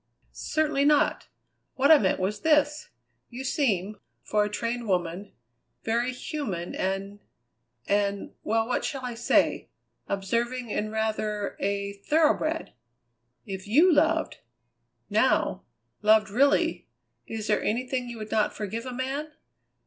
"Certainly not! What I meant was this: You seem, for a trained woman, very human and and well, what shall I say? observing and rather a thoroughbred. If you loved, now, loved really, is there anything you would not forgive a man?